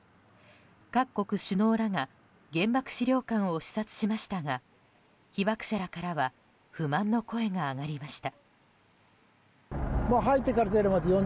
各国首脳らが原爆資料館を視察しましたが被爆者らからは不満の声が上がりました。